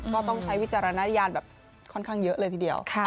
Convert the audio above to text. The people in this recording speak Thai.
ก็ต้องใช้วิจารณญาณแบบค่อนข้างเยอะเลยทีเดียว